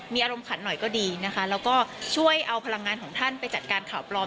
มีอารมณ์ขันหน่อยก็ดีนะคะแล้วก็ช่วยเอาพลังงานของท่านไปจัดการข่าวปลอม